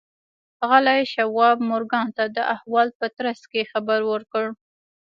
ښاغلي شواب مورګان ته د احوال په ترڅ کې خبر ورکړ